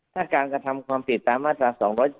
ถ้าการกระทำความผิดตามมาตรา๒๗